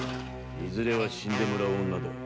いずれは死んでもらう女だ。